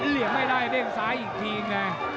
เรียนไม่ได้ด้วยเด้งซ้ายอีกทีเนี่ย